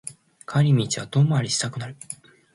帰り道は遠回りしたくなる